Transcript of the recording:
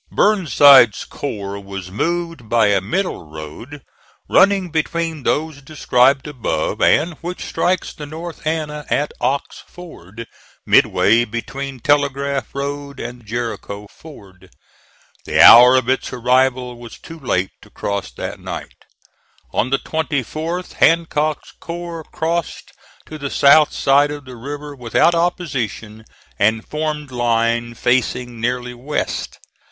Burnside's corps was moved by a middle road running between those described above, and which strikes the North Anna at Ox Ford, midway between Telegraph Road and Jericho Ford. The hour of its arrival was too late to cross that night. On the 24th Hancock's corps crossed to the south side of the river without opposition, and formed line facing nearly west.